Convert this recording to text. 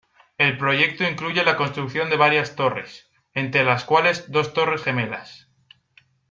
El proyecto incluye la construcción de varias torres, entre las cuales dos torres gemelas.